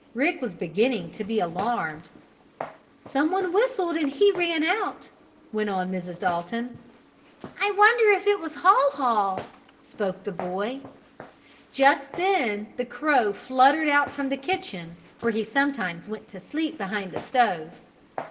Rick was beginning to be alarmed. "Someone whistled and he ran out," went on Mrs. Dalton. "I wonder if it was Haw Haw?" spoke the boy. Just then the crow fluttered out from the kitchen, where he sometimes went to sleep behind the stove.